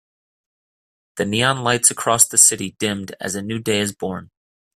The neon lights across the city dimmed as a new day is born.